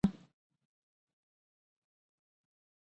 هغوی د ژمنې په بڼه شپه سره ښکاره هم کړه.